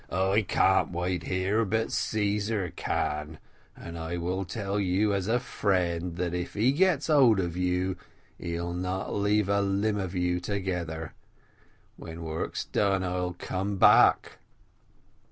"I can't wait here, but Caesar can, and I will tell you, as a friend, that if he gets hold of you, he'll not leave a limb of you together when work's done I'll come back."